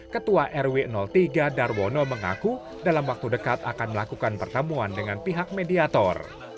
ketua rw tiga darwono mengaku dalam waktu dekat akan melakukan pertemuan dengan pihak mediator